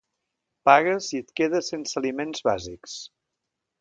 Pagues i et quedes sense aliments bàsics.